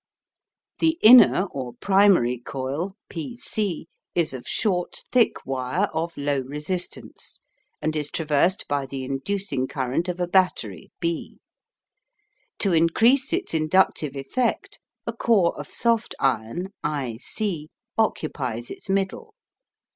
The inner or primary coil P C is of short thick wire of low resistance, and is traversed by the inducing current of a battery B. To increase its inductive effect a core of soft iron I C occupies its middle.